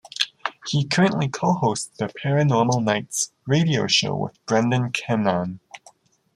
He currently co-hosts the "Paranormal Nights" radio show with Brendan Keenan.